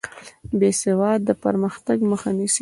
بې سوادي د پرمختګ مخه نیسي.